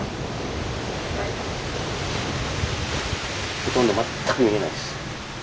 ほとんど全く見えないです。